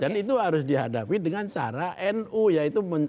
dan itu harus dihadapi dengan cara nu itu